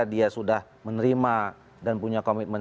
dia sudah menerima dan punya komitmen